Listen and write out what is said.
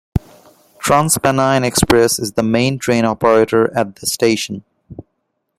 TransPennine Express is the main train operator at the station.